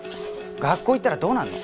学校行ったらどうなるの？